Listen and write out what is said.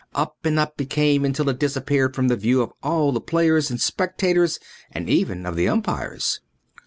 Up and up it came until it disappeared from the view of all the players and spectators and even of the umpires.